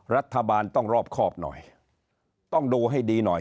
รัฐบาลต้องรอบครอบหน่อยต้องดูให้ดีหน่อย